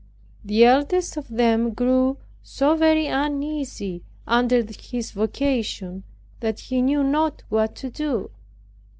The eldest of them grew so very uneasy under his vocation, that he knew not what to do.